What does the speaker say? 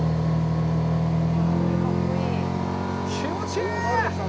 気持ちいい！